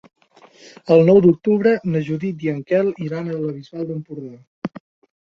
El nou d'octubre na Judit i en Quel iran a la Bisbal d'Empordà.